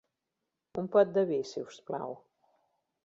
Un pot de vi, si us plau.